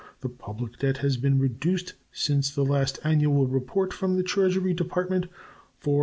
The public debt has been reduced since the last annual report from the Treasury Department $495,276.